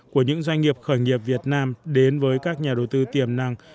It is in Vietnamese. của những doanh nghiệp khởi nghiệp việt nam đến với các nhà đầu tư tiềm năng